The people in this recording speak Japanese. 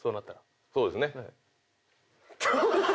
そうですね。